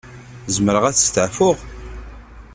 Zemreɣ ad steɛfuɣ?